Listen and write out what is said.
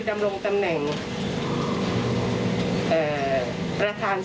แม่ชีค่ะ